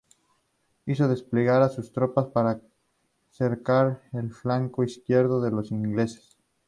Hizo desplegar a sus tropas para cercar al flanco izquierdo de los ingleses.